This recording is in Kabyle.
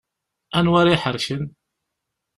Anwa ara iḥerken.